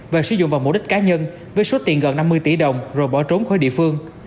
và sử dụng vào mục đích cá nhân với số tiền gần năm mươi tỷ đồng rồi bỏ trốn khỏi địa phương